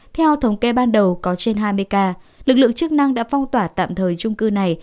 theo thống kê ban đầu có trên hai mươi ca lực lượng chức năng đã phong tỏa tạm thời trung cư này